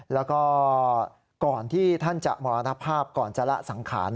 แล้วก็ก่อนที่ท่านจะมรณภาพก่อนจะละสังขาร